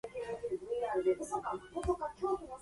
The feminine form of the same name is Karthika.